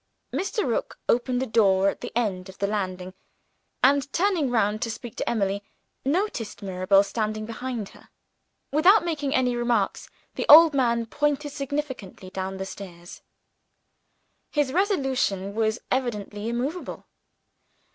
Mr. Rook opened a door at the end of the landing; and, turning round to speak to Emily, noticed Mirabel standing behind her. Without making any remarks, the old man pointed significantly down the stairs. His resolution was evidently immovable.